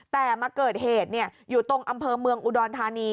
แต่มาเกิดเหตุอยู่ตรงอำเภอเมืองอุดรธานี